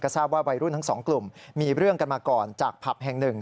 ทราบว่าวัยรุ่นทั้งสองกลุ่มมีเรื่องกันมาก่อนจากผับแห่งหนึ่ง